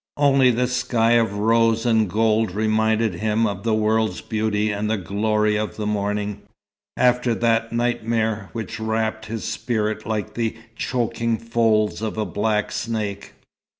Only the sky of rose and gold reminded him of the world's beauty and the glory of morning, after that dark nightmare which wrapped his spirit like the choking folds of a black snake.